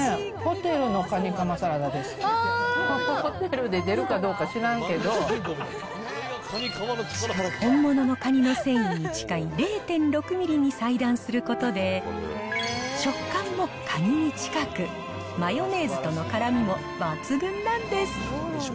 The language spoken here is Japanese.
ホテルで出るかどうか知らん本物のカニの繊維に近い０．６ミリに細断することで、食感もカニに近く、マヨネーズとのからみも抜群なんです。